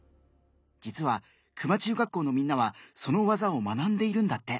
実は球磨中学校のみんなはその技を学んでいるんだって。